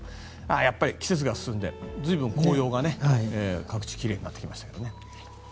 やっぱり季節が進んで随分、紅葉は各地できれいになってきました。